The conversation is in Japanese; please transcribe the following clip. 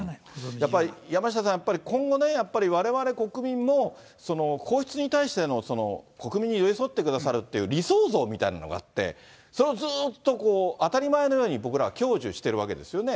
やっぱり山下さん、やっぱり、今後ね、やっぱりわれわれ国民も、皇室に対しての国民に寄り添ってくださるという理想像みたいなのがあって、それをずっと当たり前のように僕らは享受してるわけですよね。